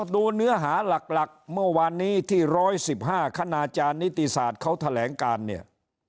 ดูเนื้อหาหลักเมื่อวานนี้ที่๑๑๕คณาจารย์นิติศาสตร์เขาแถลงการเนี่ย